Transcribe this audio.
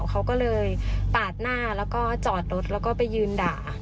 เขาก็เลยปาดหน้าแล้วก็จอดรถแล้วก็ไปยืนด่า